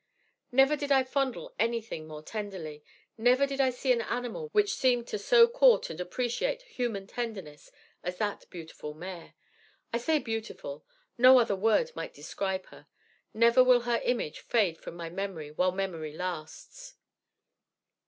Never did I fondle anything more tenderly, never did I see an animal which seemed to so court and appreciate human tenderness as that beautiful mare. I say 'beautiful.' No other word might describe her. Never will her image fade from my memory while memory lasts.